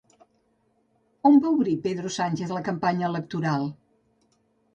On va obrir Pedro Sánchez la campanya electoral?